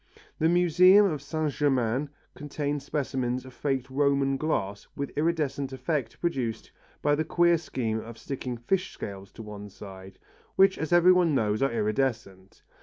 The museum of Saint Germain contains specimens of faked Roman glass with iridescent effect produced by the queer scheme of sticking fish scales to one side, which as every one knows are iridescent.